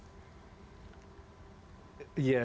ya mengerti saya itu benar benar benar benar benar benar benar